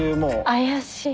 怪しい。